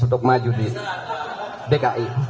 untuk maju di dki